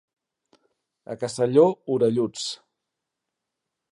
A Castelló, orelluts.